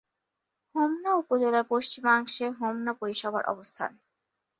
হোমনা উপজেলার পশ্চিমাংশে হোমনা পৌরসভার অবস্থান।